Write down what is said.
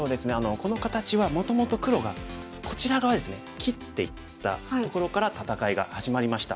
この形はもともと黒がこちら側ですね切っていったところから戦いが始まりました。